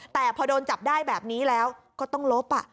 แต่พอโดนจับได้แบบนี้แล้วก็ต้องลบ